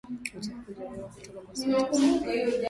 uchafuzi wa hewa kutoka kwa sekta ya usafiri